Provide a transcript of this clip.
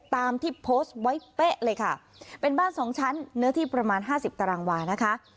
ตามที่โพสต์ไว้เป๊ะเลยค่ะเป็นบ้านสองชั้นเนื้อที่ประมาณห้าสิบตารางวานะคะ